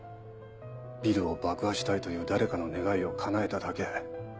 ビルを爆破したいという誰かの願いを叶えただけ。